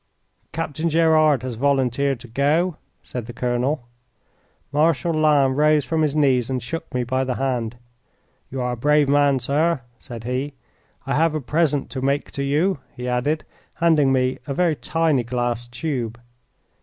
"Captain Gerard has volunteered to go," said the colonel. Marshal Lannes rose from his knees and shook me by the hand. "You are a brave man, sir," said he. "I have a present to make to you," he added, handing me a very tiny glass tube.